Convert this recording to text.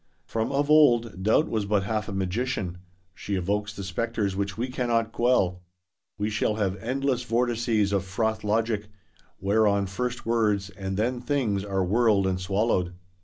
From of old, Doubt was but half a magician; she evokes the spectres which she cannot quell. We shall have "endless vortices of froth logic;" whereon first words, and then things, are whirled and swallowed.